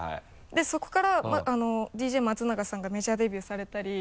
そこからＤＪ松永さんがメジャーデビューされたり。